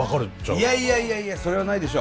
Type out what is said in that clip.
いやいやいやいやそれはないでしょ。